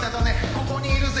ここにいるぜ